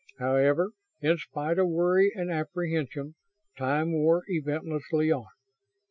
However, in spite of worry and apprehension, time wore eventlessly on.